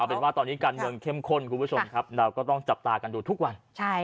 เป็นว่าตอนนี้การเมืองเข้มข้นคุณผู้ชมครับเราก็ต้องจับตากันดูทุกวัน